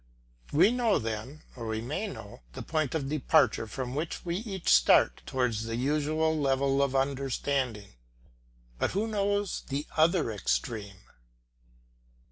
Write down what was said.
We know then, or we may know, the point of departure from which we each start towards the usual level of understanding; but who knows the other extreme?